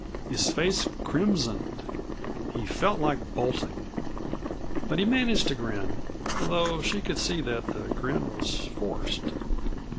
His face crimsoned. He felt like bolting. But he managed to grin, though she could see that the grin was forced.